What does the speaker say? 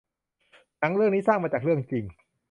หนังเรื่องนี้สร้างมาจากเรื่องจริง